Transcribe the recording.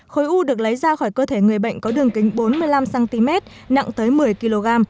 khối u được lấy ra khỏi cơ thể người bệnh có đường kính bốn mươi năm cm nặng tới một mươi kg